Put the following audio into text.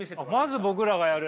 まず僕らがやる？